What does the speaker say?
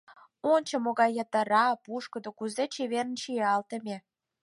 Ончо, могай йытыра, пушкыдо, кузе чеверын чиялтыме.